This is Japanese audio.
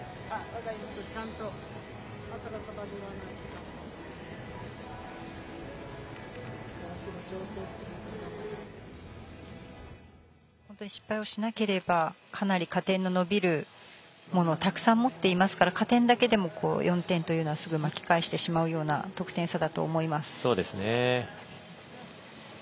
そうですね、坂本選手は本当に失敗をしなければかなり加点の伸びるものをたくさん持っていますから加点だけでも４点というのはすぐ巻き返してしまうような得点差だと思います。